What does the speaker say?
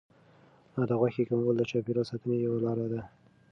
د غوښې کمول د چاپیریال ساتنې یوه لار ده.